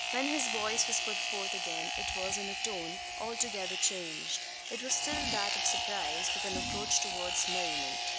When his voice was put forth again it was in a tone altogether changed. It was still that of surprise, with an approach towards merriment.